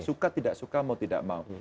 suka tidak suka mau tidak mau